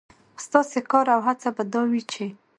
ستاسې کار او هڅه به دا وي، چې